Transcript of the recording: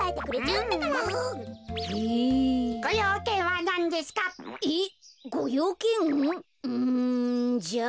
うんじゃあ。